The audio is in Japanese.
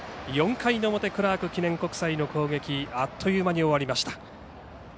４回の表クラーク記念国際の攻撃はあっという間に終わりました。